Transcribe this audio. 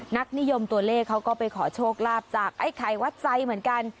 นักนิยมตัวเลขเขาก็ไปขอโชคลาภจากไอ้ไข่วัดไซค์เหมือนกัน